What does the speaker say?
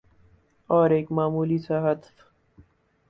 اور ایک معمولی سا ہدف